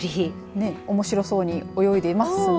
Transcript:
ね、おもしろそうに泳いでいますね。